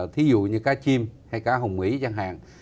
thí dụ như cá chim hay cá hồng mỹ chẳng hạn